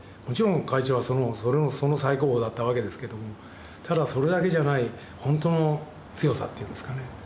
もちろん会長はその最高峰だったわけですけどもただそれだけじゃない本当の強さっていうんですかね。